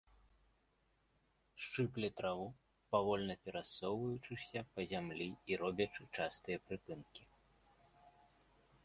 Шчыпле траву, павольна перасоўваючыся па зямлі і робячы частыя прыпынкі.